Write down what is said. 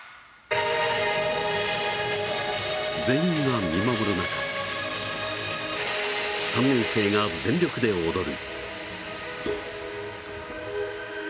全員が見守る中３年生が全力で踊る。